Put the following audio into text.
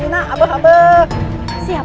senang diudak sama raden kian santang